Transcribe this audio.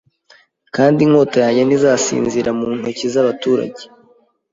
Kandi inkota yanjye ntizasinzira mu ntokiza baturage